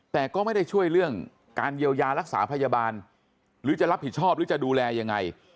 แต่ก็ไม่ได้ช่วยเรื่องการเยียวยารักษาพยาบาลหรือจะรับผิดชอบหรือจะดูแลยังไง